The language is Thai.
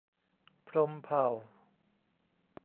พรหมเผ่า